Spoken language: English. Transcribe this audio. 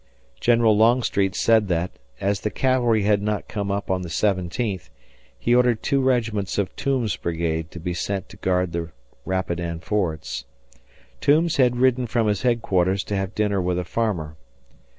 General Longstreet said that, as the cavalry had not come up on the seventeenth, he ordered two regiments of Toombs's brigade to be sent to guard the Rapidan fords. Toombs had ridden from his headquarters to have dinner with a farmer.